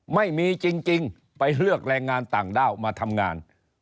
ไม่มีจริงไปเลือกแรงงานต่างด้าวมาทำงาน